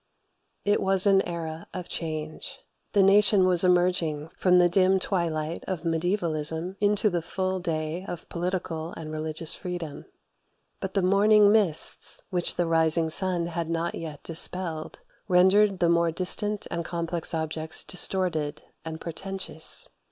It was an era of change. The nation was emerging from the dim twilight of mediaevalism into the full day of political and religious freedom. But the morning mists, which the rising sun had not yet dispelled, rendered the more distant and complex objects distorted and portentous.